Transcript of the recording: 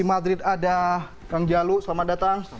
di madrid ada kang jalu selamat datang